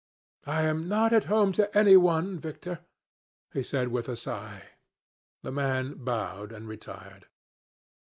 "I am not at home to any one, Victor," he said with a sigh. The man bowed and retired.